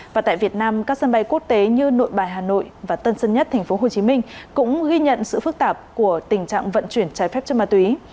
và tại việt nam các sân bay quốc tế như nội bài hà nội và tân sân nhất tp hcm cũng ghi nhận sự phức tạp của tình trạng vận chuyển trái phép chất ma túy